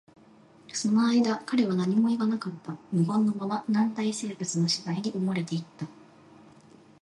その間、彼は何も言わなかった。無言のまま、軟体生物の死骸に埋もれていった。